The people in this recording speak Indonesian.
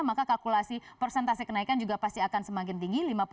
maka kalkulasi persentase kenaikan juga pasti akan semakin tinggi